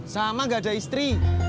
sama enggak ada istri